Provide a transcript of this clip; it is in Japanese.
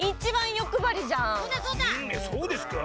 そうですか？